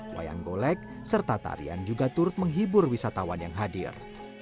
wayang golek serta tarian juga turut menghibur wisatawan yang hadir